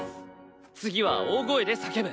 次は大声で叫ぶ。